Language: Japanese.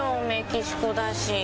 メキシコだし。